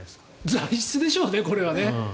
材質でしょうねこれは。